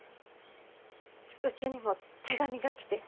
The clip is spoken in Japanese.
うちにも手紙が来て。